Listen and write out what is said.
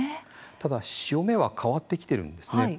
ただ、潮目は変わってきてるんですね。